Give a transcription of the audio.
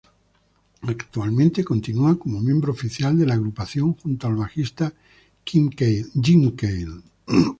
Actualmente continúa como miembro oficial de la agrupación junto al bajista Jim Kale.